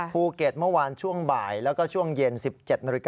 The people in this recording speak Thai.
ภูเก็ตเมื่อวานช่วงบ่ายแล้วก็ช่วงเย็น๑๗นาฬิกา